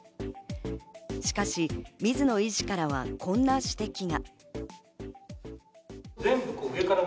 しかし水野医師からは、こんな指摘が。